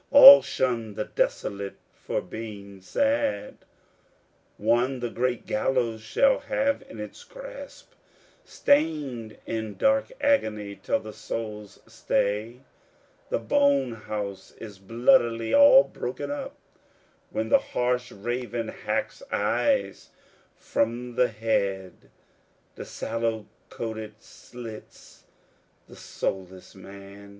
All shun the desolate for being sad. One the great gallows shall have in its grasp, Stained in dark agony, till the soul's stay, The bone house, is bloodily all broken up; When the harsh raven hacks eyes from the head, The sallow coated, slits the soulless man.